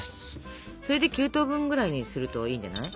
それで９等分ぐらいにするといいんじゃない？